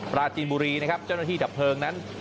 ปราจีนบุรีนะครับเจ้าหน้าที่ดับเพลิงนั้น